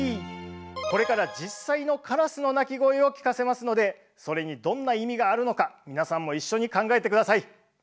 これから実際のカラスの鳴き声を聞かせますのでそれにどんな意味があるのか皆さんも一緒に考えて下さい。